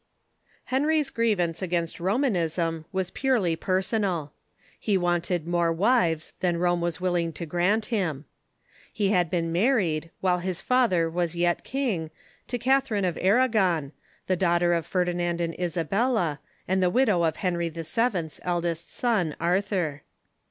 Henry's grievance against Romanism was purely personal. He wanted more wives than Rome was willing to grant him. He had been married, while his father was yet Henry VIII. s Patronage of king, to Catharine of Arngon, the daughter of the Reformation Ferdinand and Isabella, and the Avidow of Henry VII.'s eldest son, Arthur.